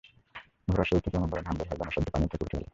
ঘোড়ার শরীর থেকে এমনভাবে ঘাম বের হয়, যেন সদ্য পানি হতে উঠে এল।